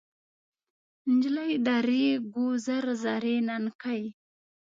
نجلۍ د ریګو زر زري ننکۍ